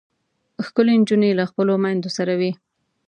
ښکلې نجونې له خپلو میندو سره وي.